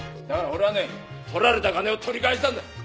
だから俺はね取られた金を取り返したんだ。